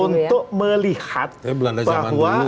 untuk melihat bahwa